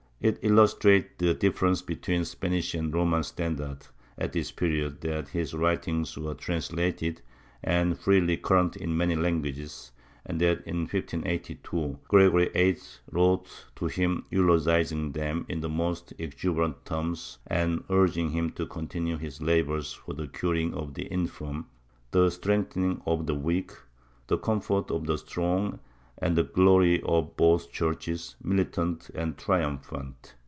It illustrates the difference between Spanish and Roman standards, at this period, that his WTitings were trans lated and freely current in many languages and that, in 1582, Gregory XIII wrote to him eulogizing them in the most exu berant terms and urging him to continue his labors for the curing of the infirm, the strengthening of the weak, the comfort of the strong and the glory of both Churches, the militant and the trium phant.